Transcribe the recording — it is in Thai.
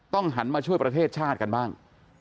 หันมาช่วยประเทศชาติกันบ้าง